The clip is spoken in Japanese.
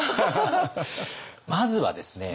まずはですね